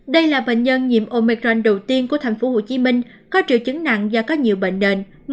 đây là bệnh nhân nhiễm omecran đầu tiên của tp hcm có triệu chứng nặng do có nhiều bệnh nền